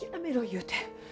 言うて。